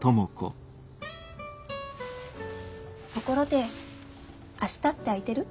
ところで明日って空いてる？